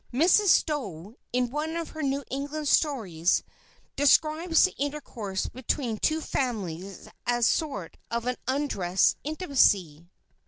Mrs. Stowe, in one of her New England stories, describes the intercourse between two families as "a sort of undress intimacy."